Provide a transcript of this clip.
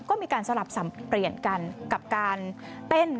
ก็มีการสลับสับเปลี่ยนกันกับการเต้น